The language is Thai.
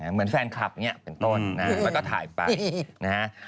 เหมือนแฟนคลับเนี่ยเป็นต้นแล้วก็ถ่ายไปนะฮะ